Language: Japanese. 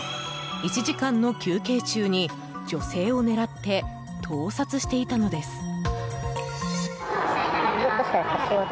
１時間の休憩中に女性を狙って盗撮していたのです。